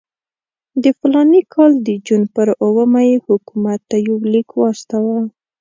د فلاني کال د جون پر اوومه یې حکومت ته یو لیک واستاوه.